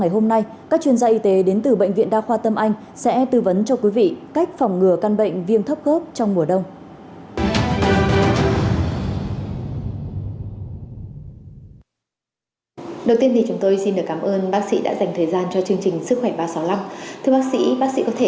hãy đăng ký kênh để ủng hộ kênh của chúng mình nhé